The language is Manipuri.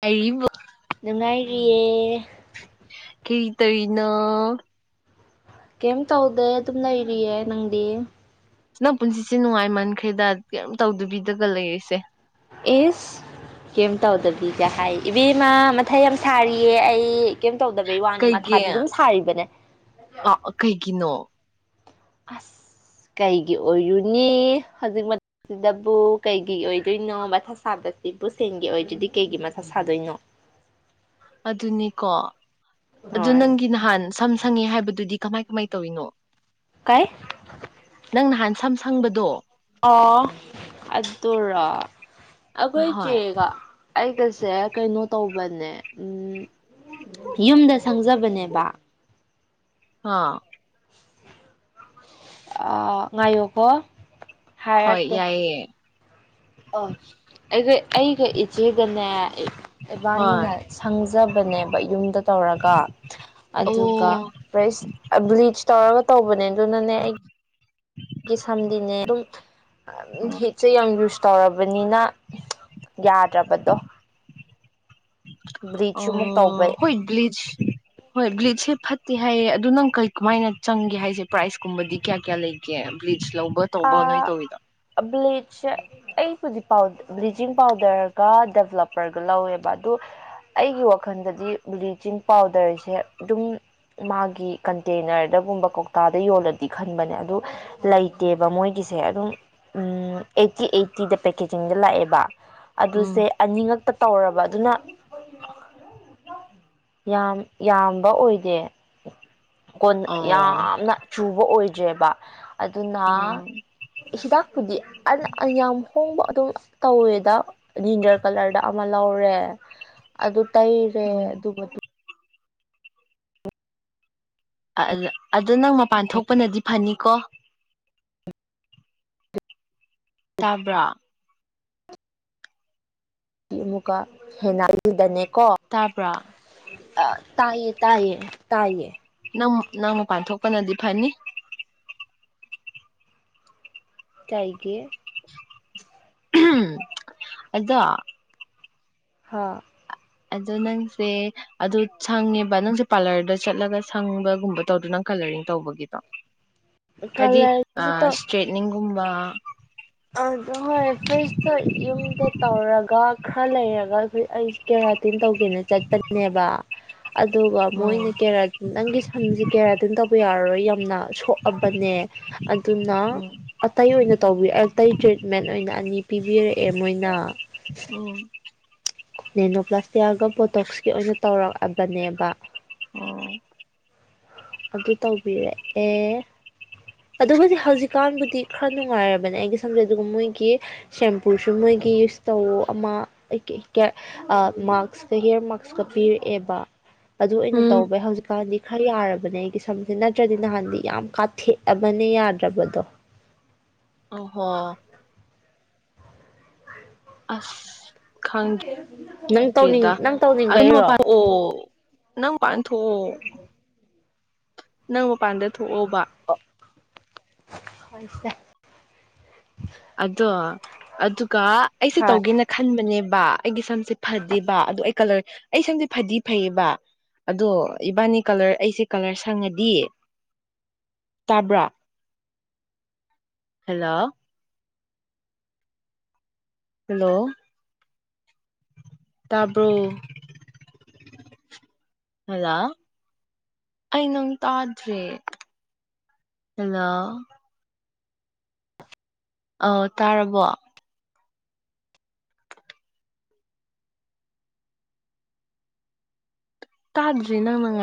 ꯀꯔꯤꯕꯣ ꯔꯤꯌꯦ ꯀꯩ ꯇꯧꯔꯤꯅꯣ ꯀꯩꯝ ꯇꯧꯗꯦ ꯑꯗꯨꯝ ꯂꯩꯔꯤꯌꯦ ꯅꯪꯗꯤ ꯅꯪ ꯄꯨꯟꯁꯤꯁꯦ ꯅꯨꯡꯉꯥꯏꯃꯟꯈ꯭ꯔꯦꯗ ꯀꯔꯤꯝ ꯇꯧꯗꯕꯤꯗꯒ ꯂꯩꯔꯤꯁꯦ ꯑꯦꯁ ꯀꯩꯝ ꯇꯧꯗꯕꯤꯒ ꯍꯥꯏ ꯏꯕꯦꯝꯃ ꯃꯊꯥ ꯌꯥꯝ ꯁꯥꯔꯤꯌꯦ ꯑꯩ ꯀꯩꯝ ꯇꯧꯗꯕꯩ ꯋꯥꯅꯦ ꯀꯩꯒꯤ ꯃꯊꯥꯗꯤ ꯑꯗꯨꯝ ꯁꯥꯔꯤꯕꯅꯦ ꯑ ꯀꯩꯒꯤꯅꯣ ꯑꯁ ꯀꯩꯒꯤ ꯑꯣꯏꯔꯨꯅꯤ ꯍꯧꯖꯤꯛ ꯃꯇꯝꯁꯤꯗꯕꯨ ꯀꯩꯒꯤ ꯑꯣꯏꯗꯣꯏꯅꯣ ꯃꯊꯥ ꯁꯥꯕꯁꯤꯕꯨ ꯁꯦꯟꯒꯤ ꯑꯣꯏꯗꯗꯤ ꯀꯩꯒꯤ ꯃꯊꯥ ꯁꯥꯗꯣꯏꯅꯣ ꯑꯗꯨꯅꯦꯀꯣ ꯑꯗꯨ ꯍꯣꯏ ꯅꯪꯒꯤ ꯅꯍꯥꯟ ꯁꯝ ꯁꯪꯉꯦ ꯍꯥꯏꯕꯗꯨꯗꯤ ꯀꯃꯥꯏ ꯀꯃꯥꯏ ꯇꯧꯋꯅꯣ ꯀꯩ ꯅꯪ ꯅꯍꯥꯟ ꯁꯝ ꯁꯪꯕꯗꯣ ꯑ ꯑꯗꯨꯗꯔ ꯑꯈꯣꯏ ꯍꯣꯏ ꯀꯦꯒ ꯑꯩꯒꯁꯦ ꯀꯩꯅꯣ ꯇꯧꯕꯅꯦ ꯎ ꯌꯨꯝꯗ ꯁꯪꯖꯕꯅꯦꯕ ꯑꯥ ꯑ ꯉꯥꯏꯌꯣꯀꯣ ꯍꯣꯏ ꯍꯥꯏꯔꯛꯀꯦ ꯌꯥꯏꯌꯦ ꯑ ꯑꯩꯒ ꯑꯩꯒ ꯏꯆꯦꯒꯅꯦ ꯍꯣꯏ ꯏꯕꯥꯟꯅꯤꯅ ꯁꯪꯖꯕꯅꯦꯕ ꯌꯨꯝꯗ ꯇꯧꯔꯒ ꯑꯗꯨꯒ ꯑꯣ ꯄ꯭ꯔꯦꯁ ꯕ꯭ꯂꯤꯁ ꯇꯧꯔꯒ ꯄꯕ ꯅ ꯑꯗꯨꯅꯅꯦ ꯁꯝꯗꯤꯅꯦ ꯑꯗꯨꯝ ꯍꯁꯦ ꯌꯥꯝ ꯌꯨꯁ ꯇꯧꯔꯕꯅꯤꯅ ꯌꯥꯗ꯭ꯔꯕꯗꯣ ꯕ꯭ꯂꯤꯆꯁꯨ ꯑꯃꯨꯛ ꯇꯧꯕꯩ ꯑꯣ ꯍꯣꯏ ꯕ꯭ꯂꯤꯁ ꯍꯣꯏ ꯕ꯭ꯂꯤꯁꯁꯦ ꯐꯠ ꯁꯦꯍꯥꯏꯌꯦ ꯑꯗꯨꯗ ꯅꯪ ꯀꯔꯤ ꯀꯃꯥꯏꯅ ꯆꯪꯒꯦ ꯍꯥꯏꯁꯦ ꯄ꯭ꯔꯥꯏꯁꯀꯨꯝꯕꯗꯤ ꯀꯌꯥ ꯀꯌꯥ ꯂꯩꯒꯦ ꯂꯧꯕ ꯇꯧꯕ ꯅꯣꯏ ꯇꯧꯋꯤꯗꯣ ꯑ ꯕ꯭ꯂꯆ ꯑꯩ ꯍꯧꯖꯤꯛꯥꯎ ꯕ꯭ꯂꯤꯆꯤꯡ ꯄꯥꯎꯗꯔꯒ ꯗꯦꯕꯂꯞꯄꯔꯒ ꯂꯧꯋꯦꯕ ꯑꯗꯣ ꯑꯩꯒꯤ ꯋꯥꯈꯜꯗꯗꯤ ꯕ꯭ꯂꯤꯆꯤꯡ ꯄꯥꯎꯗꯔꯁꯦ ꯑꯗꯨꯝ ꯃꯥꯒꯤ ꯀꯟꯇꯦꯅꯔꯗꯒꯨꯝꯕ ꯀꯧꯇꯥꯗ ꯌꯣꯜꯂꯗꯤ ꯈꯟꯕꯅꯦ ꯑꯗꯨ ꯂꯩ ꯂꯩ ꯗꯦꯕ ꯃꯣꯏꯒꯤꯁꯦ ꯑꯗꯨꯝ ꯑꯩꯠꯇꯤ ꯑꯩꯠꯇꯤꯗ ꯄꯦꯀꯦꯖꯤꯡꯗ ꯂꯥꯛꯑꯦꯕ ꯎꯝ ꯑꯗꯨꯁꯦ ꯑꯅꯤꯉꯛꯇ ꯇꯧꯔꯕ ꯑꯗꯨꯅ ꯌꯥꯝ ꯌꯥꯝꯕ ꯑꯣꯏꯗꯦ ꯀꯣꯟ ꯑꯣ ꯌꯥꯝꯅ ꯆꯨꯕ ꯑꯣꯏ ꯖꯦꯕꯥ ꯑꯗꯨ ꯑꯗꯨꯅ ꯎꯝ ꯍꯤꯗꯥꯛꯄꯨꯗꯤ ꯌꯥꯝ ꯍꯣꯡꯕ ꯑꯗꯨꯝ ꯇꯧꯋꯦꯗ ꯟꯖꯔ ꯀꯂꯔꯗ ꯑꯃ ꯂꯧꯔꯦ ꯑꯗꯨ ꯇꯩꯔꯦ ꯎꯝ ꯑꯗꯨꯗꯨ ꯑꯗꯨꯣ ꯅꯪ ꯃꯄꯥꯟ ꯊꯣꯛꯄꯅꯗꯤ ꯐꯅꯤꯀꯣ ꯇꯥꯕ꯭ꯔꯥ ꯃꯨꯀꯥ ꯍꯦꯅꯥꯜ ꯗꯅꯦꯦꯛ ꯇꯥꯕ ꯑ ꯇꯥꯏꯌꯦ ꯇꯥꯏꯌꯦ ꯇꯥꯏꯌꯦ ꯅꯪ ꯅꯪ ꯃꯄꯥꯟ ꯊꯣꯛꯄꯅꯗꯤ ꯐꯅꯤ ꯇꯥꯏꯒꯦ ꯑꯗꯨꯣ ꯍꯥꯥ ꯑꯗꯣ ꯅꯪꯁꯦ ꯑꯗꯨ ꯁꯪꯉꯦꯕ ꯅꯪꯁꯦ ꯄꯥꯔꯂꯔꯗ ꯆꯠꯂꯒ ꯁꯪꯕꯒꯨꯝꯕ ꯇꯧꯗ ꯅꯪ ꯀꯂꯔꯤꯡ ꯇꯧꯕꯒꯤꯗꯣ꯫ ꯍꯥꯏꯗꯤ ꯁꯇ꯭ꯔꯦꯠꯅꯤꯡꯒꯨꯝ ꯋꯥ ꯑꯗꯨ ꯍꯣꯏ ꯐꯤꯁꯇ ꯌꯨꯝꯗ ꯇꯧꯔꯒ ꯈꯔ ꯂꯩꯔꯒ ꯑꯩꯈꯣꯏ ꯑꯩ ꯀꯦꯔꯥꯇꯤꯟ ꯇꯧ ꯇꯦꯅ ꯆꯠꯄꯅꯦꯕ ꯑꯗꯨꯒ ꯎꯝ ꯃꯣꯏꯅ ꯀꯦꯔꯥ ꯅꯪꯒꯤ ꯁꯝꯁꯦ ꯀꯦꯔꯥꯇꯤꯟ ꯇꯧꯕ ꯌꯥꯔꯔꯣꯏ ꯌꯥꯝꯅ ꯁꯣꯛꯑꯕꯅꯦ ꯑꯗꯨꯅ ꯎꯝ ꯑꯇꯩ ꯑꯣꯏꯅ ꯇꯧꯕꯤ ꯑ ꯑꯩ ꯇ꯭ꯔꯤꯠꯃꯦꯟ ꯑꯣꯏꯅ ꯑꯅꯤ ꯄꯤꯕꯤꯔꯛꯑꯦ ꯃꯣꯏꯅ꯫ ꯎꯝ ꯅꯦꯅꯣ ꯄ꯭ꯂꯁꯇꯤꯑꯒ ꯄꫭꯠ ꯗꯣꯛꯁꯀꯤ ꯑꯣꯏꯅ ꯇꯧꯔꯛꯑ ꯇꯅꯦꯕ ꯑꯣ ꯑꯗꯨ ꯇꯧꯕꯤꯔꯦ ꯑꯦ ꯑꯗꯨꯒꯗꯤ ꯍꯧꯖꯤꯛꯀꯥꯟꯕꯨꯗꯤ ꯈꯔ ꯅꯨꯡꯉꯥꯏꯔꯕꯅꯦ ꯑꯩꯒꯤ ꯁꯝꯗꯦ ꯑꯗꯨꯒ ꯃꯣꯏꯒꯤ ꯁꯦꯝꯄꯨꯁꯨ ꯃꯣꯏꯒꯤ ꯌꯨꯁ ꯇꯧ ꯑꯃ ꯑꯩꯀꯩ ꯀꯦꯔ ꯃꯥꯛꯁꯀ ꯍꯤꯌꯦꯔ ꯃꯥꯛꯁꯀ ꯄꯤꯔꯛꯑꯦꯕ ꯑꯗꯨ ꯑꯩꯅ ꯎꯝ ꯇꯧꯕ ꯍꯧꯖꯤꯛꯀꯥꯟꯗꯤ ꯈꯔ ꯌꯥꯔꯕꯅꯦ ꯑꯩꯒꯤ ꯁꯝꯁꯦ ꯅꯠꯇ꯭ꯔꯗꯤ ꯅꯍꯥꯟꯗꯤ ꯌꯥꯝ ꯀꯥꯊꯦꯛꯑꯕꯅꯦ ꯌꯥꯗ꯭ꯔꯕꯗꯣ꯫ ꯑꫭꯍꯣ ꯑꯁ ꯈꯪ ꯅꯪ ꯇꯧꯅꯤꯡ ꯗ꯭ꯔꯦꯗ ꯅꯪ ꯑꯗꯨꯅ ꯇꯧꯅꯤꯡꯕꯩꯔꯣ ꯃꯄꯥꯟꯑꯣ ꯅꯪ ꯄꯥꯟꯊꯣꯛꯑꯣ ꯅꯪ ꯃꯄꯥꯟꯗ ꯊꫭꯛꯑꫭꯕ꯫ ꯑꫭ ꯍꯣꯏꯁꯦ꯫ ꯑꯗꯣ ꯑꯗꯨ ꯀꯥ ꯑꯩꯁꯦ ꯍꯥꯏ ꯇꯧꯒꯦꯅ ꯈꯟꯕꯅꯦ ꯕꯥ ꯑꯩꯒꯤ ꯁꯝꯁꯦ ꯐꯗꯦꯕ ꯑꯗꯣ ꯑꯩ ꯀꯂꯔ ꯑꯩ ꯁꯝꯁꯦ ꯐꯗꯤ ꯐꯩꯌꯦꯕ ꯑꯗꯣ ꯏꯕꯥꯅꯤ ꯀꯂꯔ ꯑꯩꯁꯦ ꯀꯂꯔ ꯁꯪꯉꯗꯤ ꯇꯥꯕ꯭ꯔꯥ ꯍꯜꯂꯣ꯫ ꯍꯜꯂꯣ꯫ ꯇꯥꯕ꯭ꯔꯣ ꯍꯜꯂꯣ ꯑꯩ ꯅꯪ ꯇꯥꯗ꯭ꯔꯦ ꯍꯜꯂꯣ ꯑꫭ ꯇꯥꯔꯕꯣ ꯇꯥꯗ꯭ꯔꯦ ꯅꯪꯅ ꯉꯥꯡ__